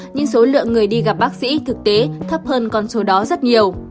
nhưng số lượng người đi gặp bác sĩ thực tế thấp hơn con số đó rất nhiều